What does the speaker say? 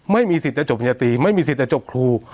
ไม่มีสิทธิ์จะจบปริญญาตรีไม่มีสิทธิ์จะจบครู